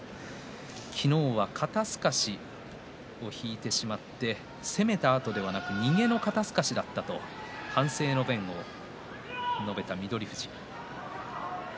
昨日は肩すかしを引いてしまって攻めたあとではなく右の肩すかしだったと反省の弁も述べた翠富士。